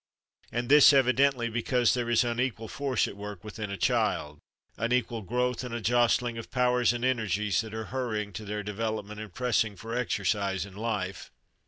And this, evidently, because there is unequal force at work within a child, unequal growth and a jostling of powers and energies that are hurrying to their development and pressing for exercise and life.